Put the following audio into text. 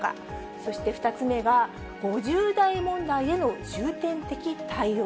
そして２つ目が５０代問題への重点的対応。